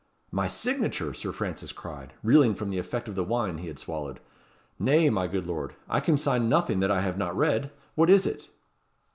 "My signature!" Sir Francis cried, reeling from the effect of the wine he had swallowed. "Nay, my good lord; I can sign nothing that I have not read. What is it?"